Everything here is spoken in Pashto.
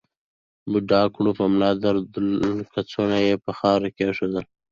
بوډا کړوپه ملا درلوده او کڅوړه یې پر خاورو کېښوده.